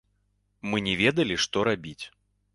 Мы не ведалі што рабіць.